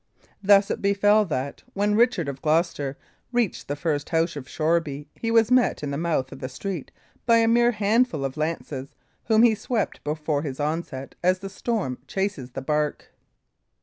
Thus it befell that, when Richard of Gloucester reached the first house of Shoreby, he was met in the mouth of the street by a mere handful of lances, whom he swept before his onset as the storm chases the bark.